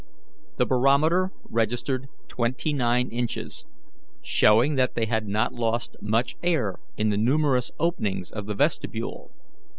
The barometer registered twenty nine inches, showing that they had not lost much air in the numerous openings of the vestibule.